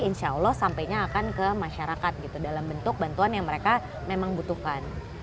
insya allah sampainya akan ke masyarakat gitu dalam bentuk bantuan yang mereka memang butuhkan